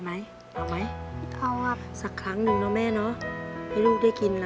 พี่อยากรอเย็นลูกเดี๋ยว